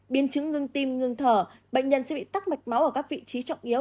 biến chứng ngưng tim ngưng thở bệnh nhân sẽ bị tắc mạch máu ở các vị trí trọng yếu